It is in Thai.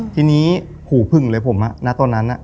ทีนี้หูผึ่งเลยผมณตอนนั้น